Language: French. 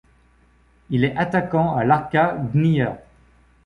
Il est attaquant à l'Arka Gdynia.